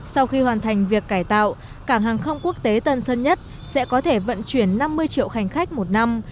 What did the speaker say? sau khi hoàn thành việc cải tạo cảng hàng không quốc tế tân sơn nhất sẽ có thể vận chuyển năm mươi triệu hành khách một năm